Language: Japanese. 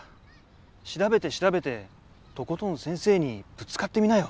調べて調べてとことん先生にぶつかってみなよ！